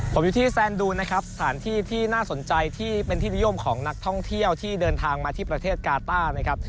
ผมอยู่ที่แซนดูนนะครับสถานที่ที่น่าสนใจที่เป็นที่นิยมของนักท่องเที่ยวที่เดินทางมาที่ประเทศกาต้านะครับ